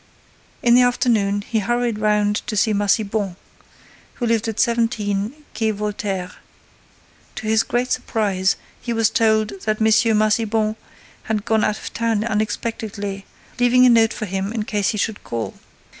In the afternoon, he hurried round to see Massiban, who lived at 17, Quai Voltaire. To his great surprise, he was told that M. Massiban had gone out of town unexpectedly, leaving a note for him in case he should call.